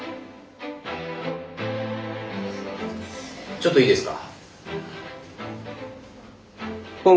ちょっといいですか。